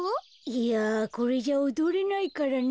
いやこれじゃおどれないからね。